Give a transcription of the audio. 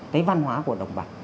cái văn hóa của đồng bào